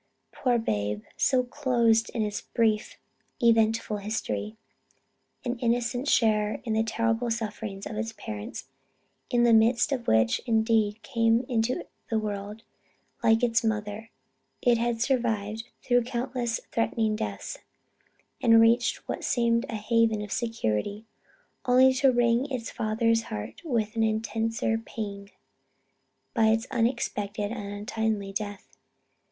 Poor babe! 'so closed its brief, eventful history.' An innocent sharer in the terrible sufferings of its parents, in the midst of which indeed it came into the world; like its mother, it had survived through countless threatening deaths, and reached what seemed a haven of security, only to wring its father's heart with an intenser pang, by its unexpected and untimely death.